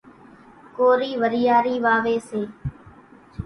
ڪورِي وريارِي واويَ سي۔